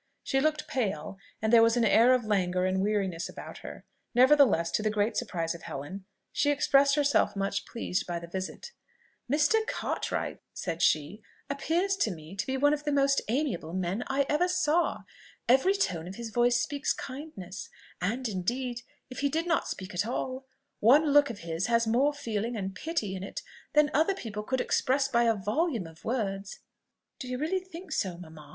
She looked pale, and there was an air of languor and weariness about her: nevertheless, to the great surprise of Helen, she expressed herself much pleased by the visit: "Mr. Cartwright," said she, "appears to me to be one of the most amiable men I ever saw; every tone of his voice speaks kindness, and indeed, if he did not speak at all, one look of his has more feeling and pity in it than other people could express by a volume of words." "Do you really think so, mamma?"